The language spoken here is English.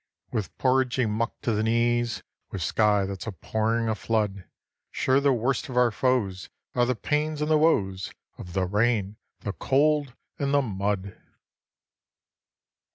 With porridgy muck to the knees, With sky that's a pouring a flood, Sure the worst of our foes Are the pains and the woes Of the RAIN, the COLD, and the MUD.